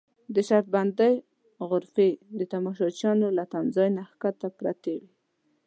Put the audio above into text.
د شرط بندۍ غرفې د تماشچیانو له تمځای نه کښته پرتې وې.